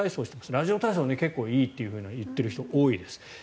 ラジオ体操、結構いいと言っている人多いです。